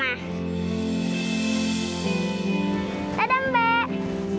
aku akan menyesal